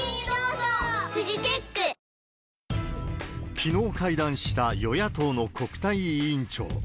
きのう会談した与野党の国対委員長。